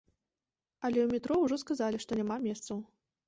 Але ў метро ўжо сказалі, што няма месцаў.